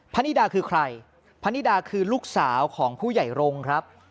นิดาคือใครพนิดาคือลูกสาวของผู้ใหญ่รงค์ครับ